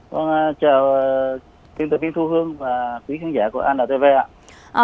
vâng chào quý vị thưa quý vị và quý vị khán giả của antv ạ